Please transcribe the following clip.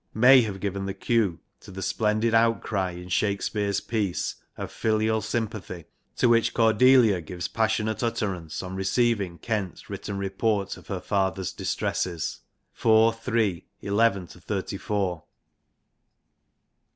may have given the cue to the splendid outcry in Shakespeare's piece of filial sympathy to which Cordelia gives passionate utterance on receiving Kent's written report of her father's distresses (IV. iii. 11 34).